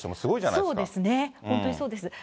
そうですね、本当にそうです。